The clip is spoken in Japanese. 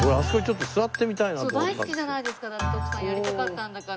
大好きじゃないですかだって徳さんやりたかったんだから。